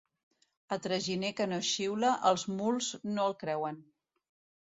A traginer que no xiula, els muls no el creuen.